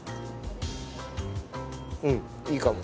うんいいかも。